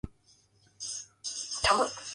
The branches are dichotomous and taper to soft points.